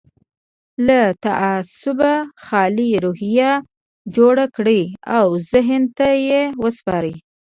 له تعصبه خالي روحيه جوړه کړئ او ذهن ته يې وسپارئ.